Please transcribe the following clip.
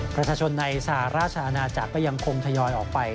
ประชาชนในสหราชอาณาจักรก็ยังคงทยอยออกไป